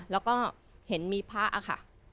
แล้วก็เห็นมีพระค่ะ